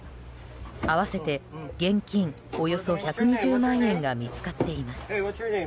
合わせて現金およそ１２０万円が見つかっています。